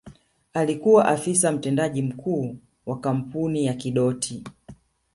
Alikuwa Afisa Mtendaji Mkuu wa kampuni ya Kidoti